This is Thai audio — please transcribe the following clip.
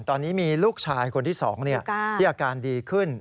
ตอนนี้มีลูกชายคนที่๒ที่อาการดีขึ้น